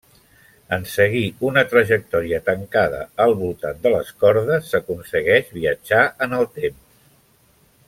En seguir una trajectòria tancada al voltant de les cordes s'aconsegueix viatjar en el temps.